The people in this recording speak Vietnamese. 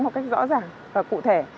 một cách rõ ràng và cụ thể